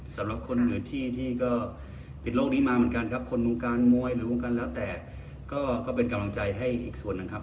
สำหรับคนอื่นที่ที่ก็ปิดโลกนี้มาเหมือนกันครับคนวงการมวยหรือวงการแล้วแต่ก็เป็นกำลังใจให้อีกส่วนหนึ่งครับ